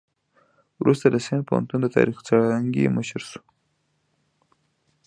وروسته د سند پوهنتون د تاریخ څانګې مشر شو.